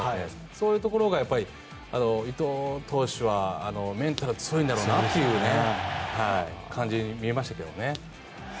そういうところが伊藤投手はメンタルが強いんだろうなという感じに見えましたけどね。